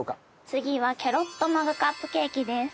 次はキャロットマグカップケーキです。